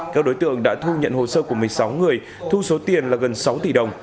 các đối tượng đã thu nhận hồ sơ của một mươi sáu người thu số tiền là gần sáu tỷ đồng